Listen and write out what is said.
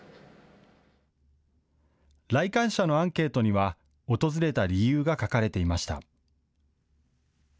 来館者のアンケートには訪れた理由が書かれていました。